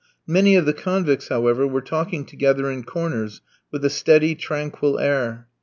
Many of the convicts, however, were talking together in corners with a steady, tranquil air.